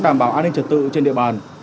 đảm bảo an ninh trật tự trên địa bàn